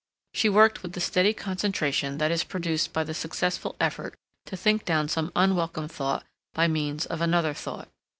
She worked with the steady concentration that is produced by the successful effort to think down some unwelcome thought by means of another thought.